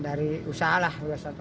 dari usaha lah